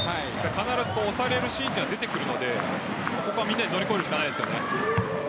必ず押されるシーンが出てくるのでここはみんなで乗り越えるしかないですよね。